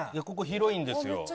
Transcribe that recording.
「ここ広いんですよ。